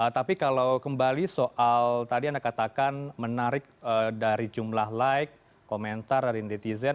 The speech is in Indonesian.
tapi kalau kembali soal tadi anda katakan menarik dari jumlah like komentar dari netizen